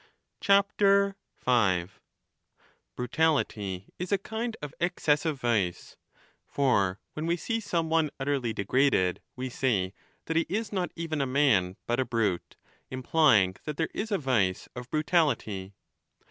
Brutality is a kind of excessive vice. For when we see 5 10 some one utterly degraded, we say that he is not even a man but a brute, implying that there is a vice of brutality.